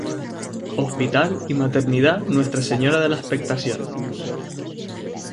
Hospital y Maternidad Nuestra Señora de la Expectación.